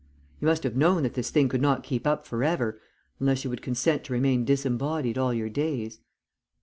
You must have known that this thing could not keep up for ever, unless you would consent to remain disembodied all your days."